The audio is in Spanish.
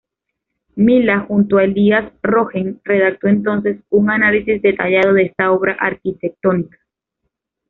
Milá, junto a Elías Rogent, redactó entonces un análisis detallado de esta obra arquitectónica.